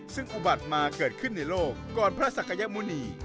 ซึ่งอุบัติมาเกิดขึ้นในโลกก่อนพระศักยมุณี